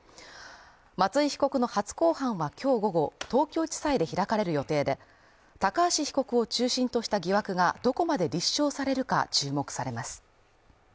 松井被告の初公判は今日午後、東京地裁で開かれる予定で、高橋被告を中心とした疑惑がどこまで立証されるか注目されます。